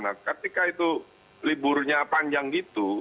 nah ketika itu liburnya panjang gitu